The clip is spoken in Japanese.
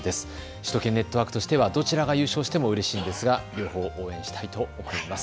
首都圏ネットワークとしてはどちらが優勝してもうれしいんですが両方応援したいと思います。